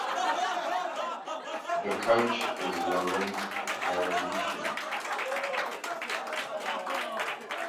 The coach is Laurent Hairabetian.